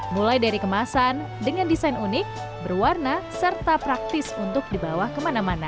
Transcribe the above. mulai dari kemasan dengan desain unik berwarna serta praktis untuk dibawa kemana mana